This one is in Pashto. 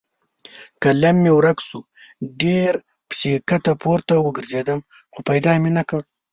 قلم مې ورک شو؛ ډېر پسې کښته پورته وګرځېدم خو پیدا مې نه کړ.